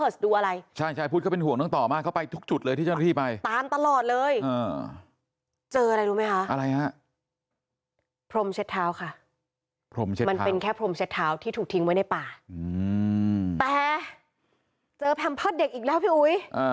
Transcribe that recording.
แต่เจอแพมเพอร์สเด็กอีกแล้วพี่อุ๊ย